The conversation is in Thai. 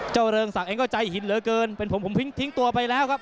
เริงศักดิ์เองก็ใจหินเหลือเกินเป็นผมผมทิ้งตัวไปแล้วครับ